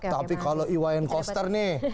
tapi kalau iwayan koster nih